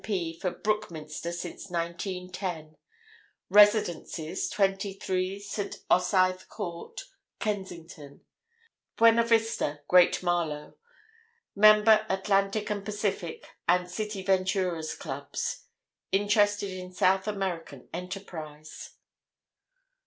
P. for Brookminster since 1910. Residences: 23, St. Osythe Court, Kensington: Buena Vista, Great Marlow. Member Atlantic and Pacific and City Venturers' Clubs. Interested in South American enterprise."